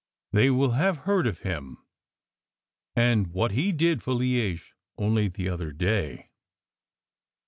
They will have heard of him, and what he did for Liege only the other day."